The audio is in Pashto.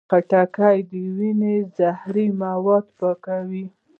خټکی د وینې زهري مواد پاکوي.